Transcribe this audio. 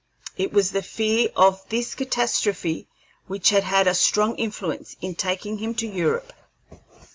It was the fear of this catastrophe which had had a strong influence in taking him to Europe.